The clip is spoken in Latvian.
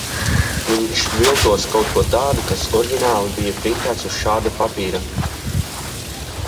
Viņš viltos kaut ko tādu, kas oriģināli bija printēts uz šāda papīra?